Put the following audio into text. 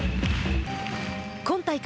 今大会